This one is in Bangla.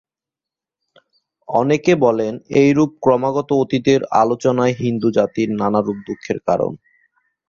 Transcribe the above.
অনেকে বলেন, এইরূপ ক্রমাগত অতীতের আলোচনাই হিন্দুজাতির নানারূপ দুঃখের কারণ।